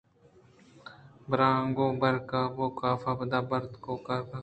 بروآنگو بوکاف ءَبد بُرت ءُ کوکار کُت